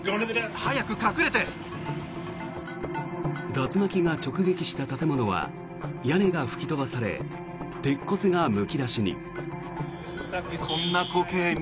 竜巻が直撃した建物は屋根が吹き飛ばされ鉄骨がむき出しに。